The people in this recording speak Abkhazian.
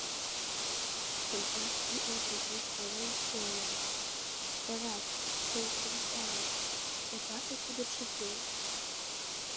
Хҭынҟьас иҟоу зегьы сара исоуааит, сараӡәк сырхәыртәааит, дабаҭаху даҽаӡәы?